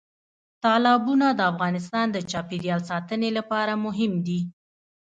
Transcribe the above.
تالابونه د افغانستان د چاپیریال ساتنې لپاره مهم دي.